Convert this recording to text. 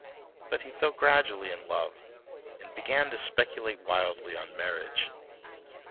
But he fell gradually in love and began to speculate wildly on marriage.